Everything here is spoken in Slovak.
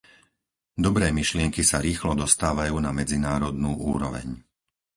Dobré myšlienky sa rýchlo dostávajú na medzinárodnú úroveň.